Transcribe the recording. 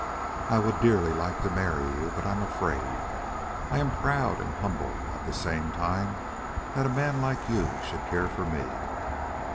"I would dearly like to marry you, but I am afraid. I am proud and humble at the same time that a man like you should care for me.